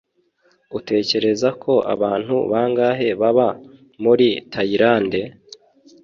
Utekereza ko abantu bangahe baba muri Tayilande?